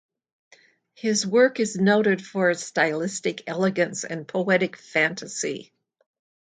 His work is noted for its stylistic elegance and poetic fantasy.